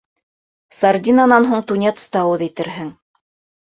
Сардинанан һуң тунецты ауыҙ итерһең!